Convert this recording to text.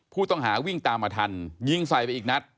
ผู้ต้องหาวิ่งตามมาทันยิงใส่ไปอีกนัด